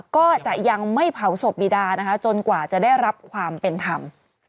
ก็จะยังไม่เผาศพบีดานะคะจนกว่าจะได้รับความเป็นธรรม